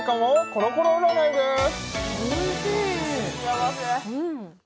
コロコロ占いです